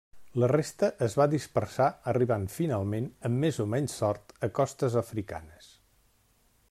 La resta es va dispersar arribant finalment, amb més o menys sort, a costes africanes.